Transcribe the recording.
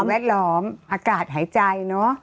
แวดล้อมอากาศหายใจเนอะ